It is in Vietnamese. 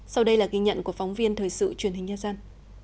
sau đây là ghi nhận của phóng viên thời sự truyền hình nhân dân